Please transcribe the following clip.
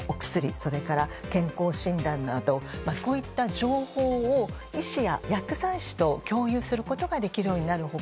それから健康診断などこういった情報を医師や薬剤師と共有することができるようになる他